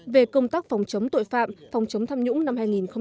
về công tác phòng chống tội phạm phòng chống tham nhũng năm hai nghìn một mươi bảy